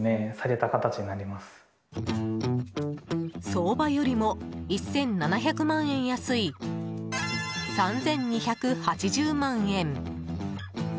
相場よりも１７００万円安い３２８０万円。